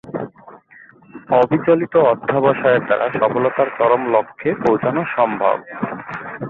অবিচলিত অধ্যবসায়ের দ্বারা সফলতার চরম লক্ষ্যে পৌছানো সম্ভব।